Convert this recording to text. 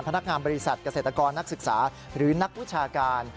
พนักงานบริษัทเกษตรกรนักศึกษาหรือนักวิชาการ